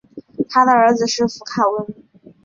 他的儿子是佛卡温。